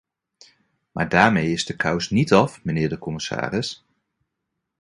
Maar daarmee is de kous niet af, mijnheer de commissaris.